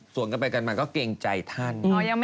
ส่วนกันไปกันมาก็เกรงใจท่าน